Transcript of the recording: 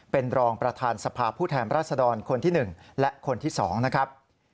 เป็นรองประธานสภาผู้แทนรัศดรคนที่๑และคนที่๒นะครับ